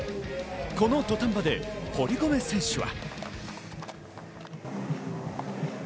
この土壇場で堀米選手は。